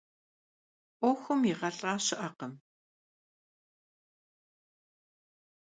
'uexum yiğelh'a şı'ekhım.